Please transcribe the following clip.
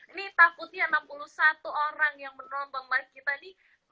ini takutnya enam puluh satu orang yang menombong live kita nih